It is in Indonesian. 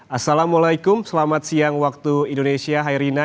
assalamualaikum selamat siang waktu indonesia hairina